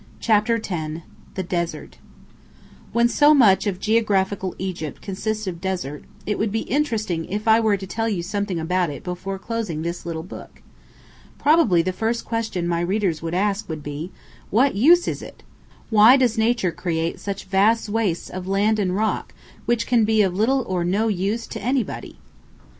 CHAPTER X THE DESERT When so much of geographical Egypt consists of desert, it would be interesting if I were to tell you something about it before closing this little book. Probably the first question my readers would ask would be, "What use is it?" Why does Nature create such vast wastes of land and rock which can be of little or no use to anybody?